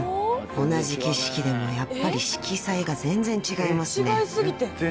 同じ景色でもやっぱり色彩が全然違いますね］